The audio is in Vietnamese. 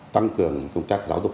tăng cường công tác giáo dục